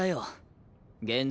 現状